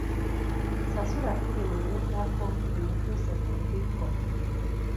Sasula firimu enaddako eno etuuse ku ntikko.